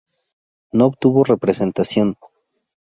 No obtuvo representación.